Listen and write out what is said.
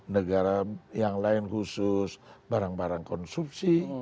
negara yang lain khusus barang barang konsumsi